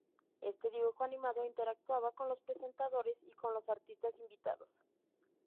Este dibujo animado interactuaba con los presentadores y con los artistas invitados.